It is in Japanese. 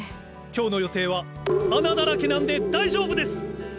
今日の予定は穴だらけなんで大丈夫です！